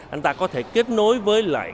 anh ta có thể kết nối với lại